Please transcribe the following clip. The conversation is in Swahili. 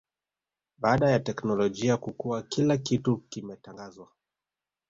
baada ya teknolojia kukua kila kitu kimetangazwa